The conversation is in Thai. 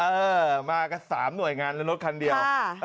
เออมากัน๓หน่วยงานแล้วรถคันเดียว